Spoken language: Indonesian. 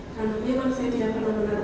karena memang saya tidak pernah menaruh